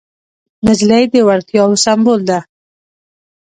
نجلۍ د وړتیاوو سمبول ده.